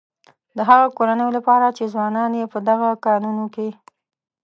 د هغه کورنيو لپاره چې ځوانان يې په دغه کانونو کې.